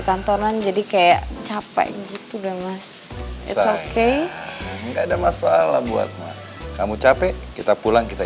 kantoran jadi kayak capek gitu deh mas it's okay nggak ada masalah buat kamu capek kita pulang kita